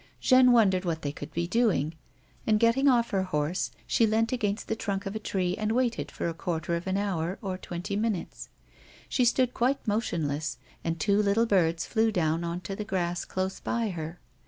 Jeanne wondered what they could be doing, and getting off her horse, she leant against the trunk of a tree and waited for a quarter of an hour or twenty minutes. She stood quite motionless, and two little birds flew down on to the grass close by her.